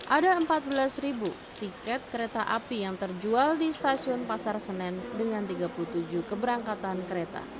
ada empat belas tiket kereta api yang terjual di stasiun pasar senen dengan tiga puluh tujuh keberangkatan kereta